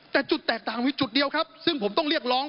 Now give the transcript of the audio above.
แต่จุดแตกต่างมีจุดเดียวครับซึ่งผมต้องเรียกร้อง